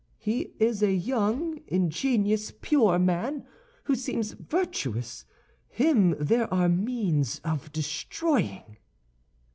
He is a young, ingenuous, pure man who seems virtuous; him there are means of destroying."